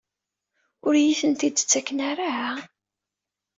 Ur iyi-ten-id-ttaken ara?